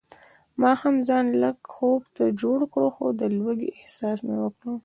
ما هم ځان لږ خوب ته جوړ کړ خو د لوږې احساس مې وکړ.